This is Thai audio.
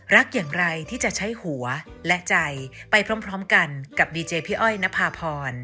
โปรดติดตามตอนต่อไป